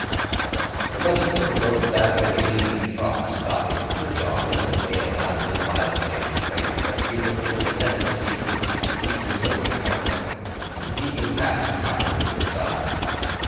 The messenger rode back at an easy trot, stopping pretty often at ale houses by the way to drink, but evincing a tendency to keep his own counsel, and to keep his hat cocked over his eyes.